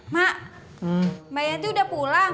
mak mbak yanti udah pulang